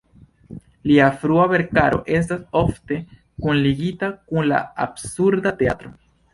Lia frua verkaro estas ofte kunligita kun la "Absurda Teatro".